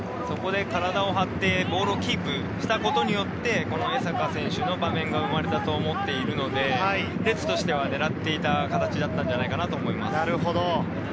そこで体を張ってボールをキープしたことによって、江坂選手の場面が生まれたと思っているので、レッズとしては狙っていた形だったんじゃないかなと思います。